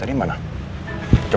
alamatnya gak aktif